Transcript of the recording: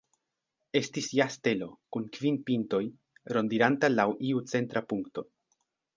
Estis ja stelo, kun kvin pintoj, rondiranta laŭ iu centra punkto.